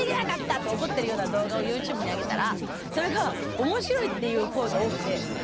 って怒ってるような動画をＹｏｕＴｕｂｅにあげたらそれが面白いっていう声が多くて。